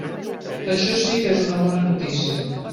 Això sí que és una bona notícia.